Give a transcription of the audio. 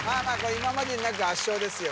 今までになく圧勝ですよ